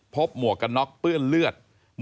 หมวกกันน็อกเปื้อนเลือด